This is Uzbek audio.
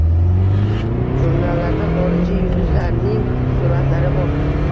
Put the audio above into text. Jurnallarda xorijiy “yulduz”larning suratlari bor.